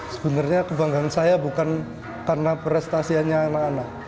sebenarnya kebanggaan saya bukan karena prestasianya anak anak